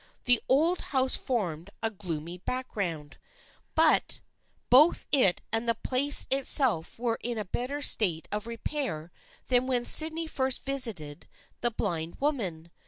The old house formed a gloomy background, but 323 THE FRIENDSHIP OF AXXE both it and the place itself were in a better state of repair than when Sydney first visited the blind woman.